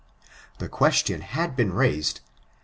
The question had been raised.